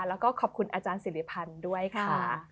แล้วก็ขอบคุณอาจารย์สิริพันธ์ด้วยค่ะ